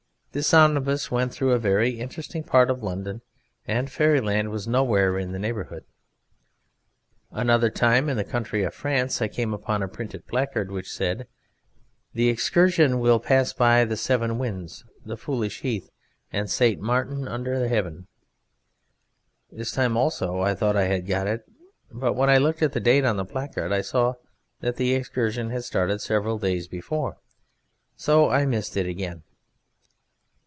This omnibus went through a very uninteresting part of London, and Fairyland was nowhere in the neighbourhood. Another time in the country of France I came upon a printed placard which said: 'The excursion will pass by the Seven Winds, the Foolish Heath, and St. Martin under Heaven.' This time also I thought I had got it, but when I looked at the date on the placard I saw that the excursion had started several days before, so I missed it again.